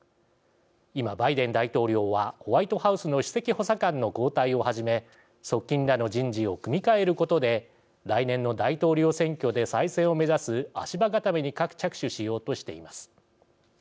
今、バイデン大統領はホワイトハウスの首席補佐官の交代をはじめ、側近らの人事を組み替えることで来年の大統領選挙で再選を目指す足場固めに着手しようとしています。